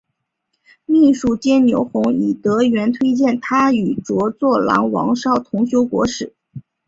秘书监牛弘以德源推荐他与着作郎王邵同修国史。